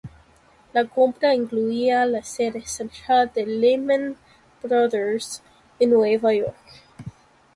La compra incluía la sede central de Lehman Brothers en Nueva York.